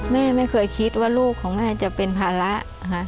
แม่ไม่เคยคิดว่าลูกของแม่จะเป็นภาระนะคะ